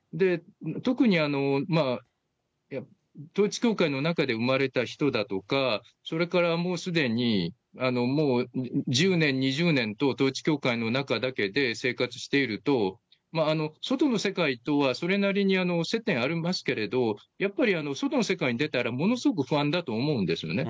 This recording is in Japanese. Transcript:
特に統一教会の中で生まれた人だとか、それから、もうすでにもう１０年、２０年と統一教会の中だけで生活していると、外の世界とはそれなりに接点ありますけれど、やっぱり外の世界に出たら、ものすごく不安だと思うんですよね。